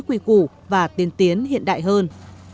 quý củ và tiến tiến hiện đại hơn